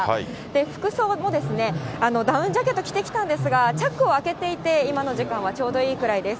服装もですね、ダウンジャケット着てきたんですが、チャックを開けていて、今の時間はちょうどいいくらいです。